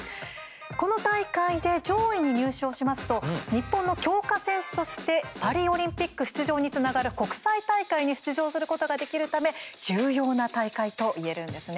この大会で上位に入賞しますと日本の強化選手としてパリオリンピック出場につながる国際大会に出場することができるため重要な大会といえるんですね。